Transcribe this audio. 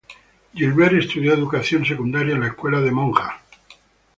Gilbert estudió educación secundaria en la escuela de monjas St.